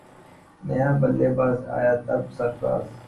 نیا بلے باز آیا تب سرفراز